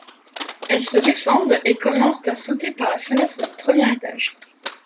Elles se défendent et commencent à sauter par la fenêtre du premier étage.